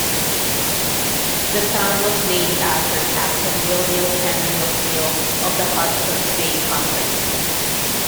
The town was named after Captain William Henry McNeill of the Hudson's Bay Company.